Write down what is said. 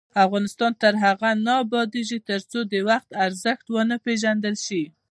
افغانستان تر هغو نه ابادیږي، ترڅو د وخت ارزښت ونه پیژندل شي.